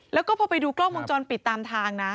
แล้วก็พอไปดูกล้องวงจรปิดตามทางนะ